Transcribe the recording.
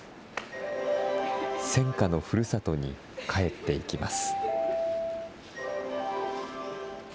戦火のふるさとに帰っていきます。